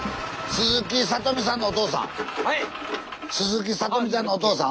鈴木里美ちゃんのお父さん？